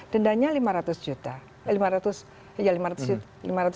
dendanya lima ratus juta